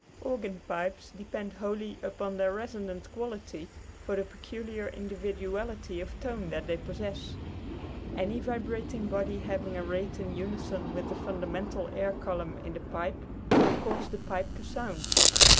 Organ pipes depend wholly upon their reso nant quality for the peculiar individuality of tone that they possess. Any vibrating body having a rate in unison with the fundamental air column in the pipe will cause the pipe to sound.